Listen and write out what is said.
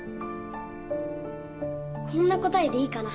こんな答えでいいかな？